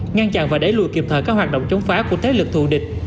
ngăn chặn và đẩy lùi kịp thời các hoạt động chống phá của thế lực thù địch